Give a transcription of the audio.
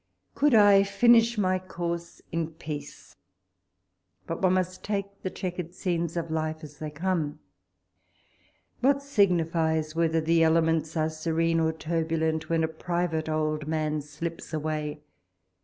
Could I finish my course in peace— but one must take the chequered scenes of life as they come. What walpole's betters. 185 signifies whether the elements are serene or turbulent, when a private old man slips away